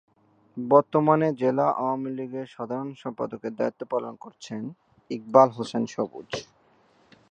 বর্তমানে জেলা আওয়ামী লীগের সাধারণ সম্পাদকের দায়িত্ব পালন করছেন ইকবাল হোসেন সবুজ।